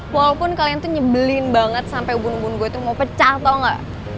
walaupun kalian tuh nyebelin banget sampe ubun ubun gue tuh mau pecah tau gak